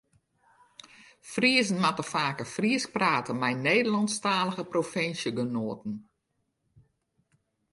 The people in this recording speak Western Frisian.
Friezen moatte faker Frysk prate mei Nederlânsktalige provinsjegenoaten.